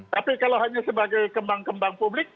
tapi kalau hanya sebagai kembang kembang publik